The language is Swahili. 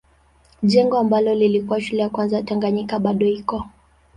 Jengo ambalo lilikuwa shule ya kwanza Tanganyika bado iko.